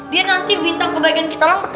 dia nanti bintang kebaikan kita lantam ustadz